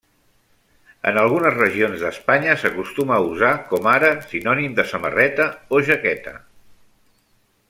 En algunes regions d'Espanya s'acostuma a usar com ara sinònim de samarreta o jaqueta.